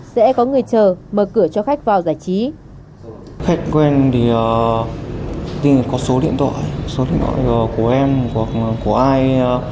sẽ có người chờ mở cửa cho khách vào giải trí